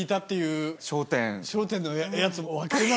『笑点』のやつ。